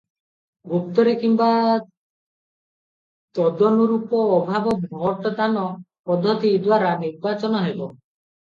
ଗୁପ୍ତରେ କିମ୍ୱା ତଦନୁରୂପ ଅବାଧ ଭୋଟ ଦାନ-ପଦ୍ଧତି ଦ୍ୱାରା ନିର୍ବାଚନ ହେବ ।